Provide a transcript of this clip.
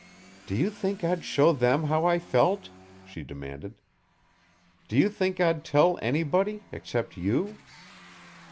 "Do you think I'd show them how I felt?" she demanded. "Do you think I'd tell anybody except you."